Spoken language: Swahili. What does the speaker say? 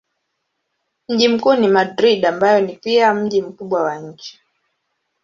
Mji mkuu ni Madrid ambayo ni pia mji mkubwa wa nchi.